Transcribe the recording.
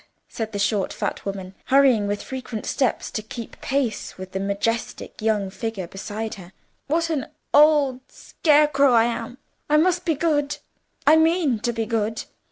said the short fat woman, hurrying with frequent steps to keep pace with the majestic young figure beside her; "what an old scarecrow I am! I must be good—I mean to be good!"